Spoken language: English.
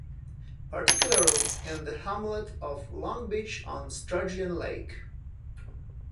Particularly in the hamlet of Long Beach on Sturgeon Lake.